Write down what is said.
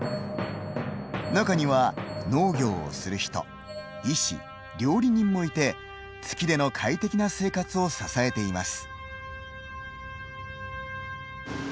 中には、農業をする人医師、料理人もいて月での快適な生活を支えています。